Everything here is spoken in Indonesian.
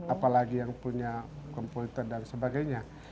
apalagi yang punya komputer dan sebagainya